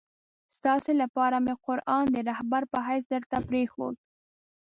ستاسي لپاره مي قرآن د رهبر په حیث درته پرېښود.